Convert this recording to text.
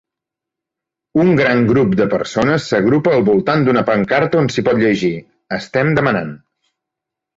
Un gran grup de persones s'agrupa al voltant d'una pancarta on s'hi pot llegir: "Estem demanant".